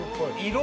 ・色！？